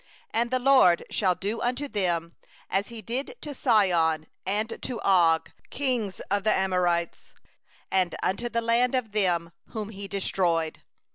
4And the LORD will do unto them as He did to Sihon and to Og, the kings of the Amorites, and unto their land; whom He destroyed.